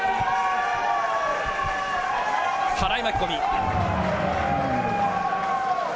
払い巻き込み。